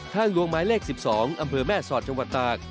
ดวงหมายเลข๑๒อำเภอแม่สอดจังหวัดตาก